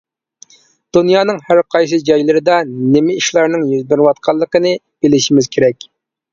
دۇنيانىڭ ھەرقايسى جايلىرىدا نېمە ئىشلارنىڭ يۈز بېرىۋاتقانلىقىنى بىلىشىمىز كېرەك.